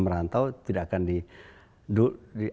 merantau tidak akan di